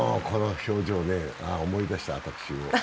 この表情ね、思い出した、私も。